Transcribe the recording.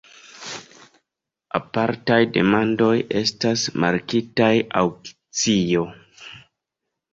Apartaj demandoj estas markitaj aŭkcio.